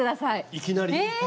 いきなり？